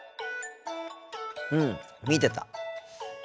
うん見てた。